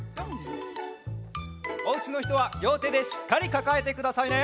おうちのひとはりょうてでしっかりかかえてくださいね。